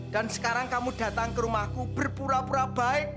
dan sekarang kamu datang ke rumahku berpura pura baik